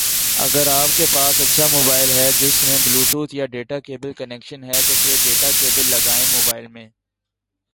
اگر آپ کے پاس اچھا موبائل ہے جس میں بلوٹوتھ یا ڈیٹا کیبل کنیکشن ہے تو پھر ڈیٹا کیبل لگائیں موبائل میں